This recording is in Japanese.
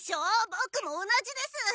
ボクも同じです！